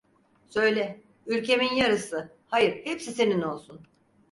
Söyle, ülkemin yarısı, hayır, hepsi senin olsun!